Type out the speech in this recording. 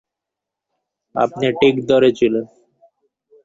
আপনি ঠিক ধরেছিলেন।